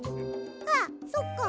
あっそっか。